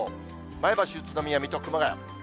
前橋、宇都宮、水戸、熊谷。